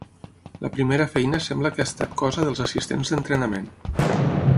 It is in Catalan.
La primera feina sembla que ha estat cosa dels assistents d'entrenament.